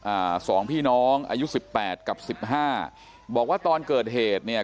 อ่าสองพี่น้องอายุสิบแปดกับสิบห้าบอกว่าตอนเกิดเหตุเนี่ย